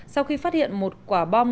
sau khi phát hiện một quả bom